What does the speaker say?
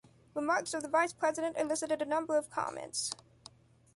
Remarks of the Vice President elicited a number of comments.